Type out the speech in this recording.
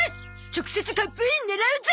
直接カップイン狙うぜ！